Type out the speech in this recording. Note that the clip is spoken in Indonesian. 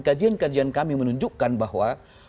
kajian kajian kami menunjukkan bahwa